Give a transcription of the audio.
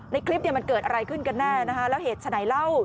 คลิปเนี่ยมันเกิดอะไรขึ้นกันแน่นะคะแล้วเหตุฉะไหนเล่า